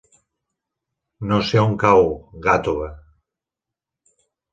No sé on cau Gàtova.